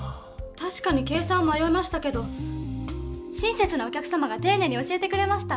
たしかに計算をまよいましたけど親切なお客様がていねいに教えてくれました。